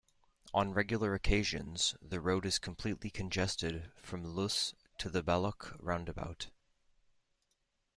On regular occasions, the road is completely congested from Luss to the Balloch roundabout.